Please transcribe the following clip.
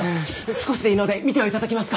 少しでいいので診ては頂けますか？